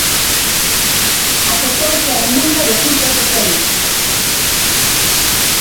Aceptouse a emenda do Grupo Socialista.